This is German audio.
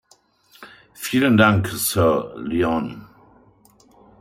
Vielen Dank, Sir Leon.